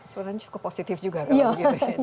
sebenarnya cukup positif juga kalau begitu ya